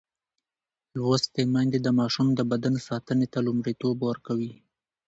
لوستې میندې د ماشوم د بدن ساتنې ته لومړیتوب ورکوي.